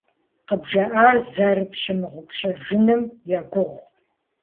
КъыбжаӀар зэрыпщымыгъупщэжыным егугъу.